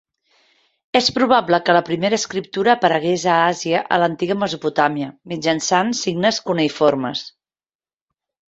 És probable que la primera escriptura aparegués a Àsia a l'antiga Mesopotàmia, mitjançant signes cuneïformes.